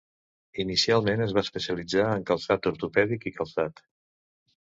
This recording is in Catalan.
Inicialment, es va especialitzar en calçat ortopèdic i calçat.